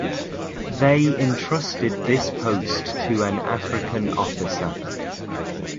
They entrusted this post to an African officer.